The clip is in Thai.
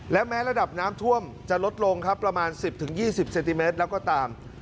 และแม้ระดับน้ำท่วมจะลดลงครับประมาณ๑๐๒๐เซนติเมตรแล้วก็ตาม